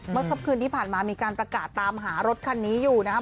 เมื่อคืนที่ผ่านมามีการประกาศตามหารถคันนี้อยู่นะครับ